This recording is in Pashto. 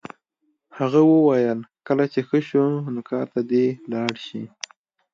هغه وویل کله چې ښه شو نو کار ته دې لاړ شي